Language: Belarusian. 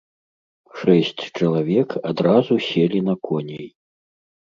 Шэсць чалавек адразу селі на коней.